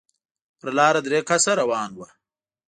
پر لاره درې کسه روان وو.